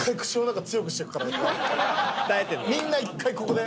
みんな１回ここで。